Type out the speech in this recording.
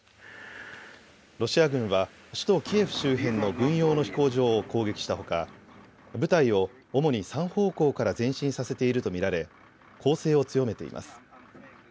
ロシア軍は首都キエフ周辺の軍用の飛行場を攻撃したほか部隊を主に３方向から前進させていると見られ攻勢を強めています。